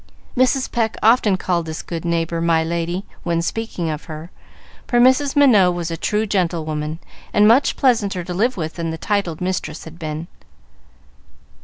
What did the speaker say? Mrs. Pecq often called this good neighbor "my lady" when speaking of her, for Mrs. Minot was a true gentlewoman, and much pleasanter to live with than the titled mistress had been.